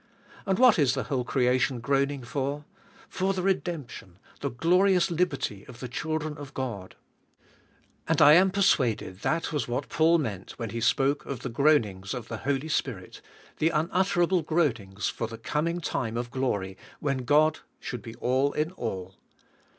And what is the whole creation groaning for? For the redemption, the glorious liberty of the children of God. And I am per suaded that was what Paul meant when he spoke of the groanings of the Holy Spirit — the unutter able groanings for the coming time of glory when God should be all in all.